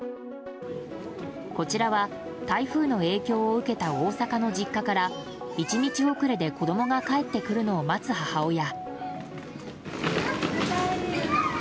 こちらは台風の影響を受けた大阪の実家から、１日遅れで子供が帰ってくるのを待つ母親。